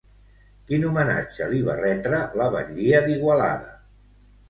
Quin homenatge li va retre la batllia d'Igualada?